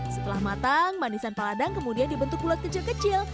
setelah matang manisan paladang kemudian dibentuk bulat kecil kecil